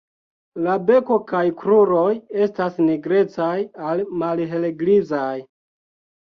La beko kaj kruroj estas nigrecaj al malhelgrizaj.